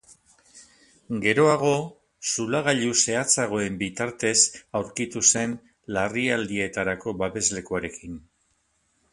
Geroago, zulagailu zehatzagoen bitartez aurkitu zen larrialdietarako babeslekuarekin.